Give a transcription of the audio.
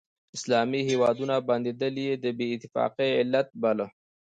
اسلامي هیوادونه بندېدل یې د بې اتفاقۍ علت باله.